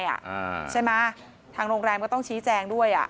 ใช่ไหมทางโรงแรมก็ต้องชี้แจงด้วยอ่ะ